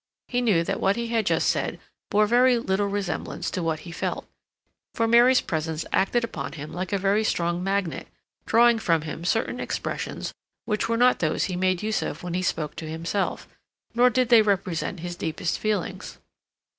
He knew that what he had just said bore very little resemblance to what he felt, for Mary's presence acted upon him like a very strong magnet, drawing from him certain expressions which were not those he made use of when he spoke to himself, nor did they represent his deepest feelings.